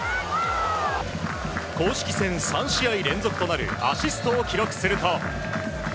公式戦３試合連続となるアシストを記録すると。